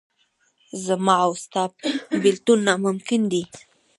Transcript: زما او ستا بېلتون ناممکن دی.